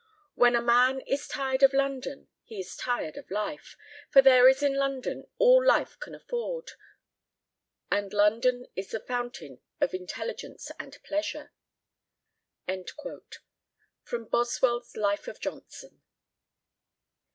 When a man is tired of London he is tired of life, for there is in London all life can afford, and [London] is the fountain of intelligence and pleasure." _Boswell's Life of Johnson.